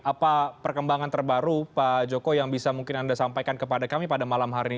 apa perkembangan terbaru pak joko yang bisa mungkin anda sampaikan kepada kami pada malam hari ini